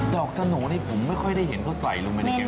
สโหน่นี่ผมไม่ค่อยได้เห็นเขาใส่ลงไปในเกม